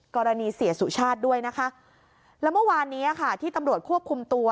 กรณีเสียสุชาติด้วยนะคะแล้วเมื่อวานนี้ค่ะที่ตำรวจควบคุมตัว